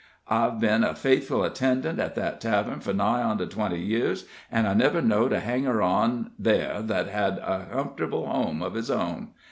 I've been a faithful attendant at that tavern for nigh onto twenty year, an' I never knowed a hanger on there that had a comfortable home of his own.